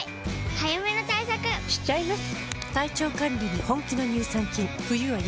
早めの対策しちゃいます。